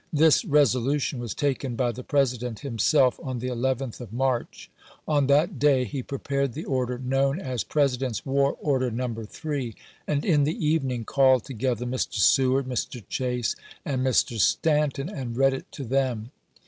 This resolution was taken by the President himself, on the 11th of March. On that day he prepared the order known as " President's War Order, No. 3," and in the even ing called together Mr. Seward, Mr. Chase, and Mr. Stanton, and read it to them.